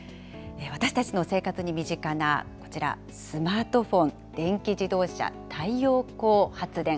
私たちの生活に身近なこちら、スマートフォン、電気自動車、太陽光発電。